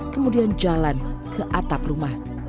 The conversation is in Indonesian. kemudian jalan ke atap rumah